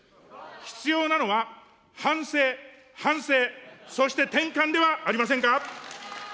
必要なのは、反省、反省、そして転換ではありませんか。